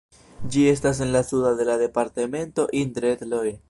Ĝi estas en la sudo de la departemento Indre-et-Loire.